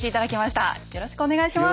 よろしくお願いします。